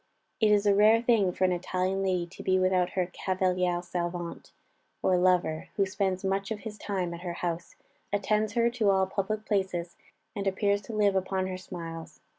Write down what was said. It is a rare thing for an Italian lady to be without her cavaliere servente, or lover, who spends much of his time at her house, attends her to all public places, and appears to live upon her smiles.